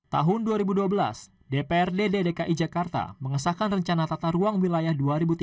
tahun dua ribu dua belas dprd dki jakarta mengesahkan rencana tata ruang wilayah dua ribu tiga belas